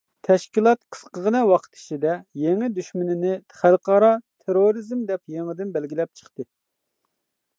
تەشكىلات قىسقىغىنە ۋاقىت ئىچىدە يېڭى دۈشمىنىنى «خەلقئارا تېررورىزم» دەپ يېڭىدىن بەلگىلەپ چىقتى.